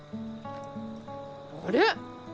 あれ！？